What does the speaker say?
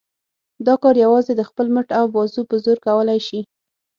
دا کار یوازې د خپل مټ او بازو په زور کولای شي.